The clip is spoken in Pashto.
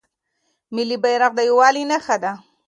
ملي بیرغ د یووالي نښه ده.